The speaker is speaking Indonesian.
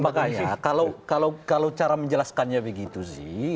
makanya kalau cara menjelaskannya begitu sih